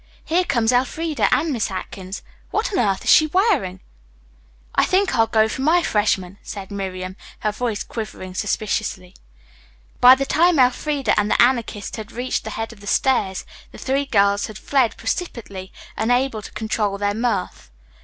"Here comes Elfreda and Miss Atkins. What on earth is she wearing?" "I think I'll go for my freshman," said Miriam, her voice quivering suspiciously. By the time Elfreda and the Anarchist had reached the head of the stairs, the three girls had fled precipitately, unable to control their mirth.